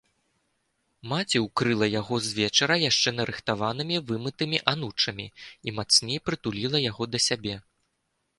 Маці ўкрыла яго звечара яшчэ нарыхтаванымі вымытымі анучамі і мацней прытуліла яго да сябе.